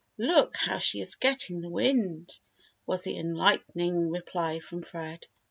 Look, how she is getting the wind," was the enlightening reply from Fred.